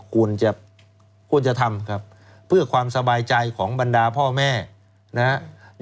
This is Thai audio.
ควรจะควรจะทำครับเพื่อความสบายใจของบรรดาพ่อแม่นะครับ